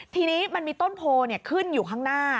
ทีนี้มันมีต้นโพขึ้นอยู่ข้างหน้า